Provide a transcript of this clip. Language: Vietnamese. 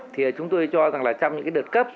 thì chúng tôi cho rằng là trong những đợt cấp